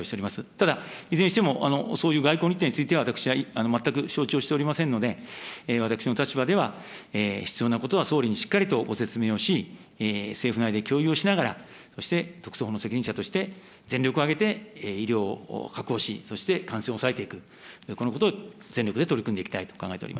ただ、いずれにしても、そういう外交日程については私は全く承知をしておりませんので、私の立場では必要なことは総理にしっかりとご説明をし、政府内で共有しながら、そして特措法の責任者として全力を挙げて医療を確保し、そして感染を抑えていく、このことに全力で取り組んでいきたいと考